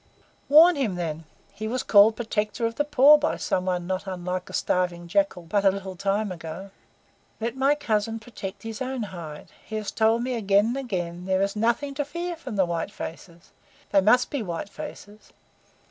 "Warn him, then. He was called Protector of the Poor by some one not unlike a starving Jackal but a little time ago." "Let my cousin protect his own hide. He has told me again and again there is nothing to fear from the white faces. They must be white faces.